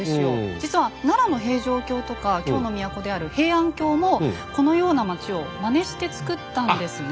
実は奈良の平城京とか京の都である平安京もこのような町をまねしてつくったんですね。